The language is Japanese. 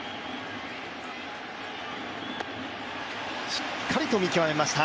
しっかりと見極めました。